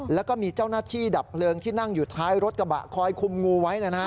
แล้วก็มีเจ้าหน้าที่ดับเพลิงที่นั่งอยู่ท้ายรถกระบะคอยคุมงูไว้